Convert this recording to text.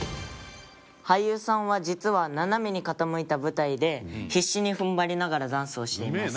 俳優さんは実は斜めに傾いた舞台で必死に踏ん張りながらダンスをしています。